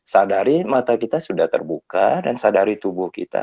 sadari mata kita sudah terbuka dan sadari tubuh kita